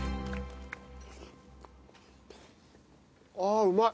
ああうまい。